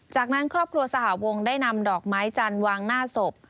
จากนั้นครอบครัวสหวงได้นำดอกไม้จันทร์วางหน้าศพ